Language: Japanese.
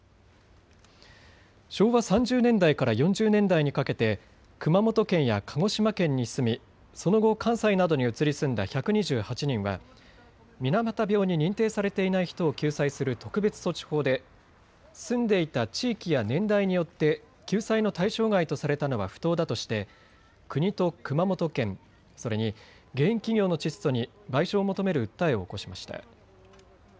昭和３０年代から４０年代にかけて熊本県や鹿児島県に住みその後、関西などに移り住んだ１２８人は水俣病に認定されていない人を救済する特別措置法で住んでいた地域や年代によって救済の対象外とされたのは不当だとして国と熊本県、それに原因企業のチッソに賠償を求める訴えを起こしました。